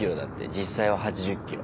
実際は８０キロ。